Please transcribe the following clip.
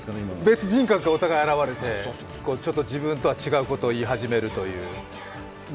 別人格がお互い現れて自分とは違うことを言い始めるという。